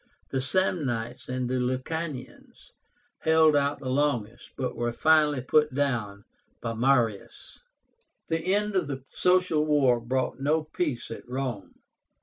The Samnites and Lucanians held out the longest, but were finally put down by Marius. The end of the Social War brought no peace at Rome.